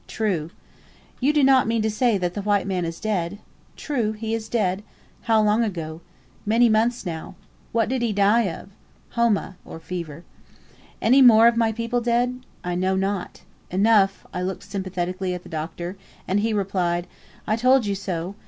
"True." "You do not mean to say the white man is dead?" "True he is dead." "How long ago?" "Many months now." "What did he die of?" "Homa (fever)." "Any more of my people dead?" "I know not." "Enough." I looked sympathetically at the Doctor, and he replied, "I told you so.